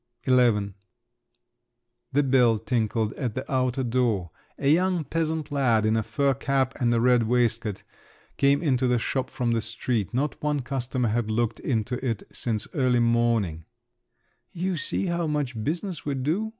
XI The bell tinkled at the outer door. A young peasant lad in a fur cap and a red waistcoat came into the shop from the street. Not one customer had looked into it since early morning … "You see how much business we do!"